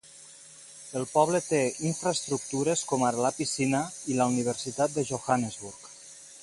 El poble té infraestructures com ara la piscina i la Universitat de Johannesburg.